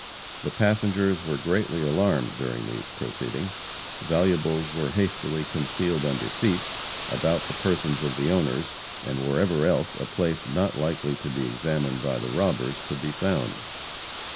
The passengers were greatly alarmed during these proceedings. Valuables were hastily concealed under seats, about the persons of the owners, and wherever else a place not likely to be examined by the robbers could be found.